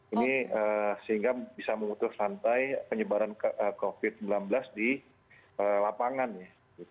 ini sehingga bisa memutus lantai penyebaran covid sembilan belas di lapangannya